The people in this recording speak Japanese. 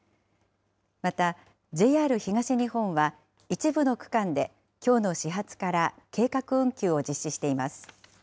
また、ＪＲ東日本は、一部の区間できょうの始発から計画運休を実施しています。